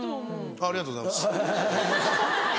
ありがとうございます。